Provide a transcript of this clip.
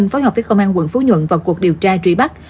phối hợp với công an quận phú nhuận vào cuộc điều tra truy bắt